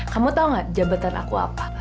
kamu tahu nggak jabatan aku apa